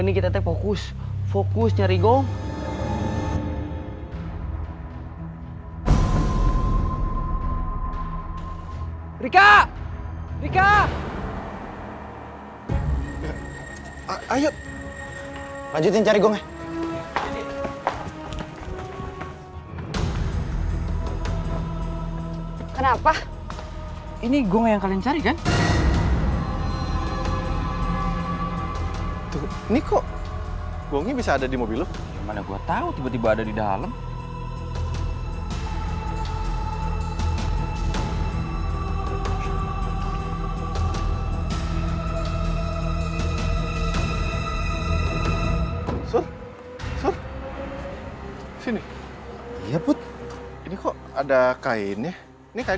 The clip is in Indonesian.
mbak kita ijinkan pulang dulu nih mbak